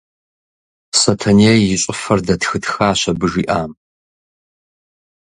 Сэтэней и щӀыфэр дэтхытхащ абы жиӀам.